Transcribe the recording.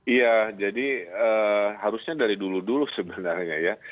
iya jadi harusnya dari dulu dulu sebenarnya ya